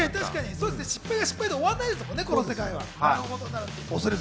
失敗が失敗で終わんないですもんね、この世界は。